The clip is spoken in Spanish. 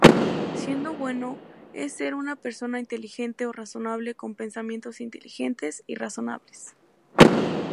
Siendo bueno, es ser una persona inteligente o razonable con pensamientos inteligentes y razonables.